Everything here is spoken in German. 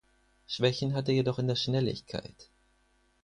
Schwächen hat er jedoch in der Schnelligkeit.